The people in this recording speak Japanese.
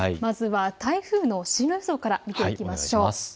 台風の進路予想から見ていきましょう。